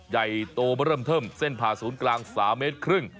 ใหญ่โตมาเริ่มเทิมเส้นผ่าศูนย์กลาง๓เมตรครึ่ง